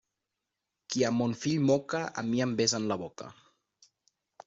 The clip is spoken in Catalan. Qui a mon fill moca, a mi em besa en la boca.